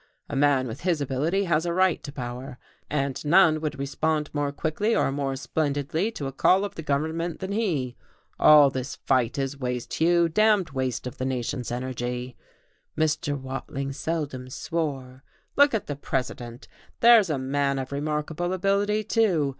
A man with his ability has a right to power, and none would respond more quickly or more splendidly to a call of the government than he. All this fight is waste, Hugh, damned waste of the nation's energy." Mr. Watling seldom swore. "Look at the President! There's a man of remarkable ability, too.